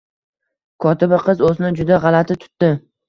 Kotiba qiz o`zini juda g`alati tutdi